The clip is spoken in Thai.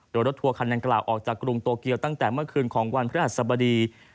โดยรถทัวร์คันดังกล่าวออกจากกรุงโตเกียวตั้งแต่เมื่อคืนของวันพระหัสบดี